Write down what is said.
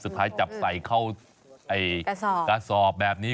สุดท้ายจับใส่เข้ากระสอบแบบนี้